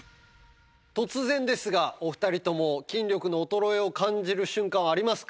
突然ですがお二人とも筋力の衰えを感じる瞬間はありますか？